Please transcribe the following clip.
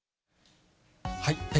はい。